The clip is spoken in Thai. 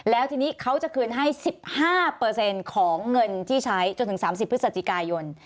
แล้วทีนี้เขาจะคืนให้๑๕ของเงินที่ใช้จนถึง๓๐พฤศจิกายน